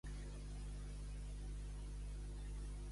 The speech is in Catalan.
Quan maig treu florida, ja està en flor l'oliva.